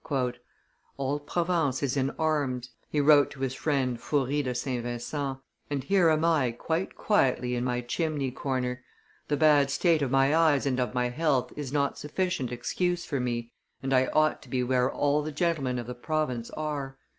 "All Provence is in arms," he wrote to his friend Fauris de St. Vincent, "and here am I quite quietly in my chimney corner; the bad state of my eyes and of my health is not sufficient excuse for me, and I ought to be where all the gentlemen of the province are.